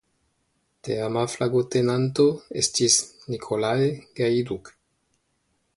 Teama flagotenanto estis "Nicolae Gaiduc".